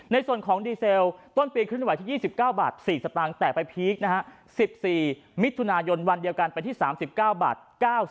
ในส่วนของดีเซลต้นปีขึ้นไหวที่๒๙บาท๔สตางค์แต่ไปพีคนะฮะ๑๔มิถุนายนวันเดียวกันไปที่๓๙บาท